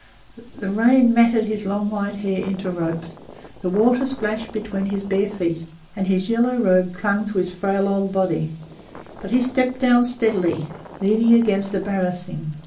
The rain matted his long white hair into ropes; the water splashed beneath his bare feet, and his yellow robe clung to his frail old body, but he stepped down steadily, leaning against the barasingh.